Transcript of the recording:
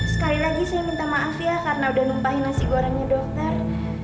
sekali lagi saya minta maaf ya karena udah numpah nasi gorengnya dokter